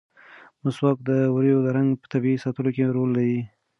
مسواک د ووریو د رنګ په طبیعي ساتلو کې رول لري.